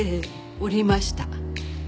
おりました。